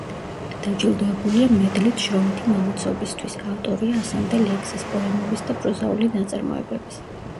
დაჯილდოებულია მედლით შრომითი მამაცობისთვის, ავტორია ასამდე ლექსის, პოემების და პროზაული ნაწარმოებების.